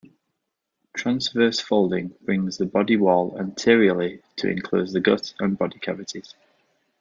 Transverse folding brings the body wall anteriorly to enclose the gut and body cavities.